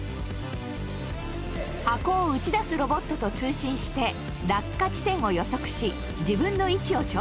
箱を打ち出すロボットと通信して落下地点を予測し自分の位置を調整。